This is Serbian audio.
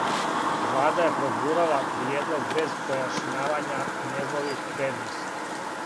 Влада је прогурала приједлог без појашњавања његових предности.